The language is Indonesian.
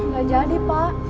gak jadi pak